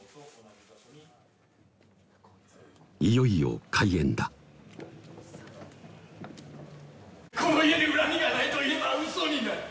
いよいよ開演だ「この家に恨みがないと言えばうそになる！